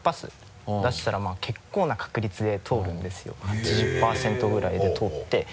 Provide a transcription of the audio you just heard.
８０％ぐらいで通って。